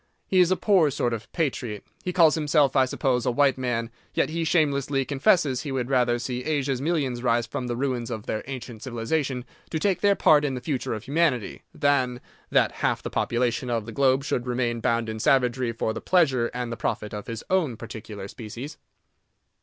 He is a poor sort of patriot; he calls himself, I suppose, a white man, yet he shamelessly confesses he would rather see Asia's millions rise from the ruins of their ancient civilization to take their part in the future of humanity, than that half the population of the globe should remain bound in savagery for the pleasure and the profit of his own particular species.